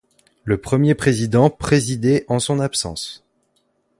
Le Premier président présidait en son absence.